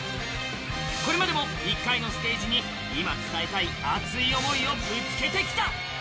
これまでも一回のステージに今、伝えたい熱い思いをぶつけてきた！